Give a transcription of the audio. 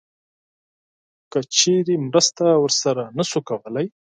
که چیرته مرسته ورسره نه شو کولی